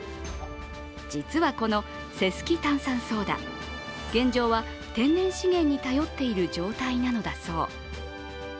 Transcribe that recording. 実はこのセスキ炭酸ソーダ現状は天然資源に頼っている状態なのだそう。